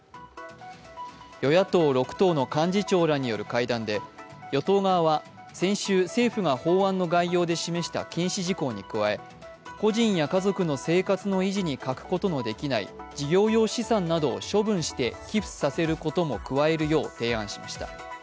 与野党６党の幹事長らによる会談で与党側は、先週、政府が法案の概要で示した禁止事項に加え、個人や家族の生活の維持に欠くことのできない事業用資産などを処分して寄付させることも加えるよう提案しました。